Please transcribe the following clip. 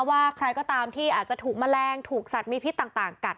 ว่าใครก็ตามที่อาจจะถูกแมลงถูกสัตว์มีพิษต่างกัด